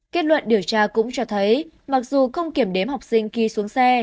kết luận điều tra cũng cho thấy mặc dù không kiểm đếm học sinh khi xuống xe